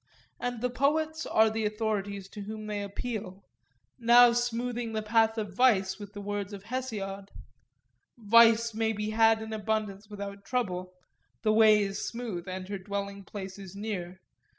And the poets are the authorities to whom they appeal, now smoothing the path of vice with the words of Hesiod;— 'Vice may be had in abundance without trouble; the way is smooth and her dwelling place is near.